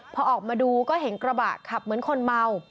พอออกมาดูก็เห็นกระบะขับเหมือนคนเมา